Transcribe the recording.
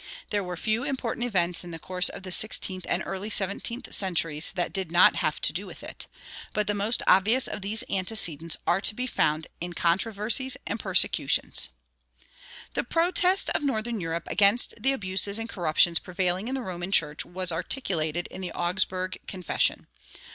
There were few important events in the course of the sixteenth and early seventeenth centuries that did not have to do with it; but the most obvious of these antecedents are to be found in controversies and persecutions. The protest of northern Europe against the abuses and corruptions prevailing in the Roman Church was articulated in the Augsburg Confession.